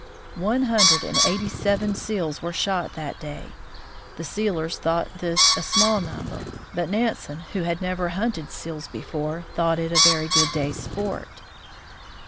One hundred and eighty seven seals were shot that day. The sealers thought this a small number, but Nansen, who had never hunted seals before, thought it a very good day's sport.